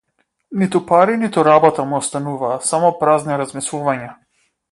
Ниту пари ниту работа му остануваа само празни размислувања.